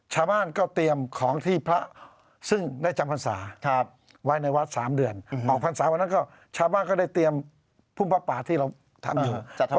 หลอกพรรณสายวันนั้นก็เชลาบ้านได้เตรียมพุทธพระป่าที่เราทำอยู่